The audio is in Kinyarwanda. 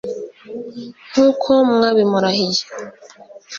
nk'uko mwabimurahiye